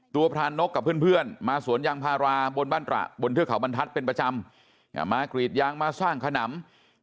พรานกกับเพื่อนมาสวนยางพาราบนบ้านตระบนเทือกเขาบรรทัศน์เป็นประจำมากรีดยางมาสร้างขนำ